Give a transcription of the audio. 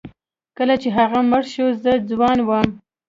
کله چې هغه مړ شو زه ځوان وم.